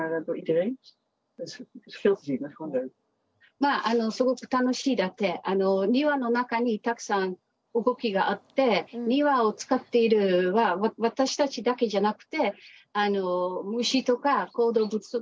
まあすごく楽しいだって庭の中にたくさん動きがあって庭を使っているのは私たちだけじゃなくてあの虫とか動物とかも使っていますね。